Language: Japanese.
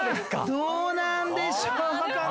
どうなんでしょうかね？